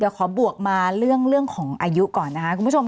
เดี๋ยวขอบวกมาเรื่องของอายุก่อนนะคะคุณผู้ชม